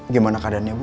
gimana keadaannya bu